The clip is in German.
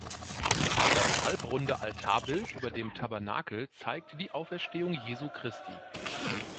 Das halbrunde Altarbild über dem Tabernakel zeigt die Auferstehung Jesu Christi.